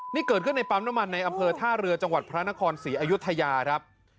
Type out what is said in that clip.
นี่เกิดขึ้นในปั๊มน้ำมันในอำเภอท่าเรือจังหวัดพระนครศรีอยุธยาครับ